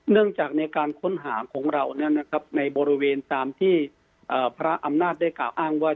เนื่องจากในการค้นหาของเราในบริเวณตามที่พระอำนาจได้กล่าวอ้างว่า